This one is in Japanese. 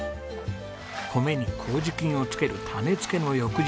米に糀菌をつける種付けの翌日。